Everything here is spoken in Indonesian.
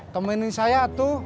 temenin saya tuh